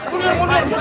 bunuh bunuh bunuh